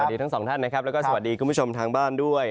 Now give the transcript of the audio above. สวัสดีทั้งสองท่านนะครับแล้วก็สวัสดีคุณผู้ชมทางบ้านด้วย